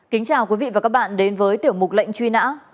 kính chào quý vị và các bạn đến với tiểu mục lệnh truy nã